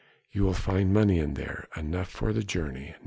"You will find money in there enough for the journey.